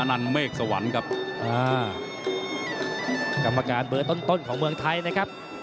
อนันเมกซ์สวรรค์ครับการเบื้อต้นของเมืองไทยนะครับ